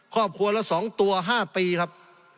ครอบครัวละ๒ตัว๕ปีครับ